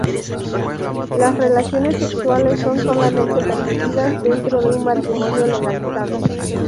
Las relaciones sexuales son solamente permitidas dentro de un matrimonio legalizado.